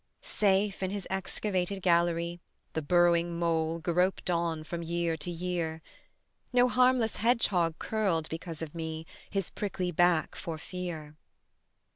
Safe in his excavated gallery The burrowing mole groped on from year to year; No harmless hedgehog curled because of me His prickly back for fear.